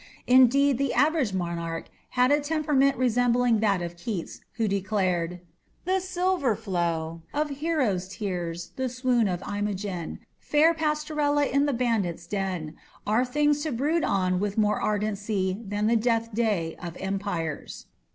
Indeed, the average monarch had a temperament resembling that of Keats, who declared: The silver flow Of Hero's tears, the swoon of Imogen, Fair Pastorella in the bandits' den, Are things to brood on with more ardency Than the death day of empires.